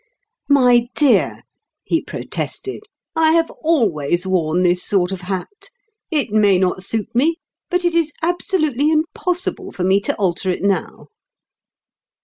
"My dear," he protested, "I have always worn this sort of hat. It may not suit me, but it is absolutely impossible for me to alter it now."